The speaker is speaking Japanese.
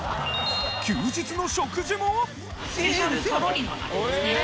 休日の食事もえ？